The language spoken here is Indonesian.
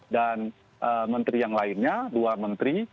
dan menteri yang lainnya dua menteri